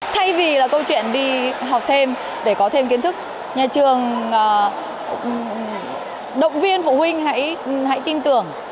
thay vì là câu chuyện đi học thêm để có thêm kiến thức nhà trường động viên phụ huynh hãy tin tưởng